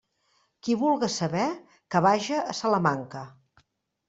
Qui vulga saber, que vaja a Salamanca.